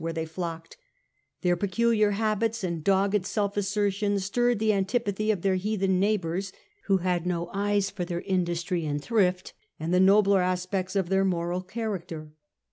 where they flocked ; their peculiar habits and dogged self assertion stirred the antipathy of their heathen neighbours, who had no eyes for their industry and thrift and the nobler aspects of their moral character.